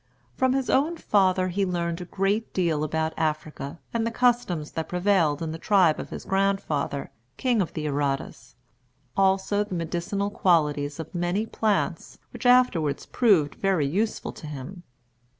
From his own father he learned a great deal about Africa and the customs that prevailed in the tribe of his grandfather, King of the Arradas; also the medicinal qualities of many plants, which afterward proved very useful to him.